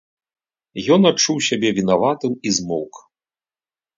Ён адчуў сябе вінаватым і змоўк.